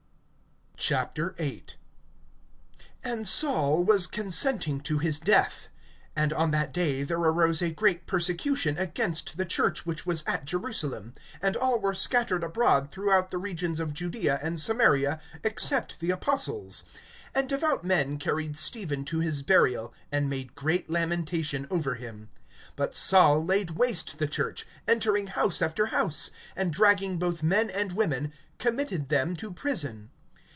VIII. AND Saul was consenting to his death. And on that day there arose a great persecution against the church which was at Jerusalem; and all were scattered abroad throughout the regions of Judaea and Samaria, except the apostles. (2)And devout men carried Stephen to his burial, and made great lamentation over him. (3)But Saul laid waste the church, entering house after house, and dragging both men and women, committed them to prison.